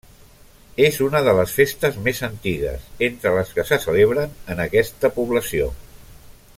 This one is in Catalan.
És una de les festes més antigues entre les que se celebren en aquesta població.